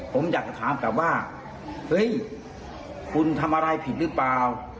ผมอยากจะถามกลับว่าเฮ้ยคุณทำอะไรผิดหรือเปล่า